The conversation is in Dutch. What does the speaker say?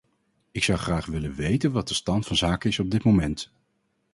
Ik zou graag willen weten wat de stand van zaken is op dit moment.